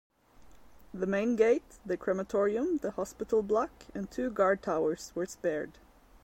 The main gate, the crematorium, the hospital block, and two guard towers were spared.